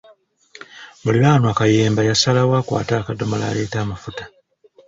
Muliraanwa Kayemba yasalawo akwate akadomola aleete amafuta